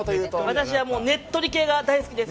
私はねっとり系が大好きです。